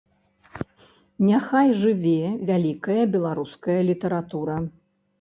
Няхай жыве вялікая беларуская літаратура!